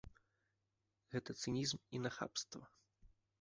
Гэта цынізм і нахабства.